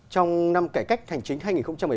trong năm cải cách hành chính hai nghìn một mươi tám